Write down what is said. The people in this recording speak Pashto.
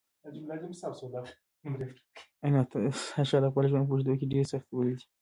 ایا ناتاشا د خپل ژوند په اوږدو کې ډېرې سختۍ ولیدلې؟